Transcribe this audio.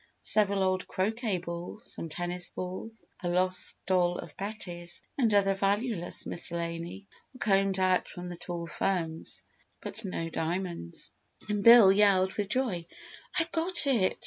Several old croquet balls, some tennis balls, a lost doll of Betty's and other valueless miscellany were combed out from the tall ferns but no diamonds. Then Bill yelled with joy. "I've got it!